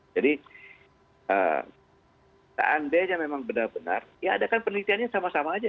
jadi seandainya memang benar benar ya adakan penelitiannya sama sama saja